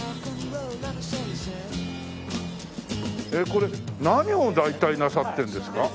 これ何を大体なさってるんですか？